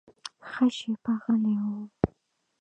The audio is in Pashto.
ښه شېبه غلی و.